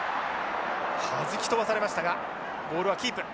はじき飛ばされましたがボールはキープ。